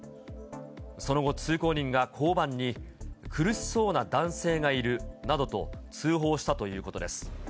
その後、通行人が交番に、苦しそうな男性がいるなどと通報したということです。